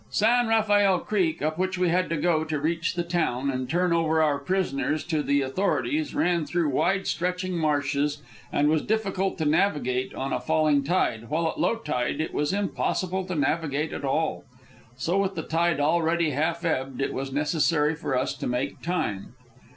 San Rafael Creek, up which we had to go to reach the town, and turn over our prisoners to the authorities, ran through wide stretching marshes, and was difficult to navigate on a falling tide, while at low tide it was impossible to navigate at all. So, with the tide already half ebbed, it was necessary for us to make time.